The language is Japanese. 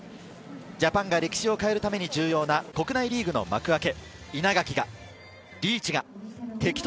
ＪＡＰＡＮが歴史を変えるために重要な国内リーグの幕開け。